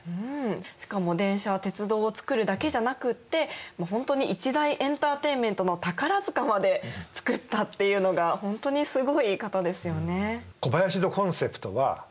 しかも電車や鉄道をつくるだけじゃなくって本当に一大エンターテインメントの宝塚まで作ったっていうのが本当にすごい方ですよね。